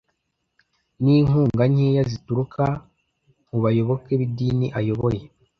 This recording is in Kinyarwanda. n’inkunga nkeya zituruka mu bayoboke b’idini ayoboye